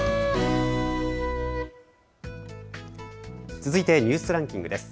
続いてニュースランキングです。